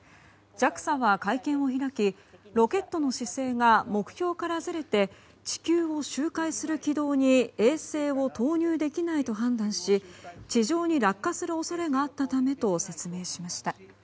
ＪＡＸＡは会見を開きロケットの姿勢が目標からずれて地球を周回する軌道に衛星を投入できないと判断し地上に落下する恐れがあったためと説明しました。